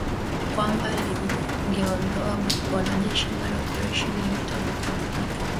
kwamba lingeondoa wanajeshi mara operesheni hiyo itakapokamilika